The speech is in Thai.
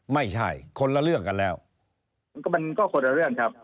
ไม่ใช่คนละเรื่องกันแล้วมันก็คนละเรื่องครับ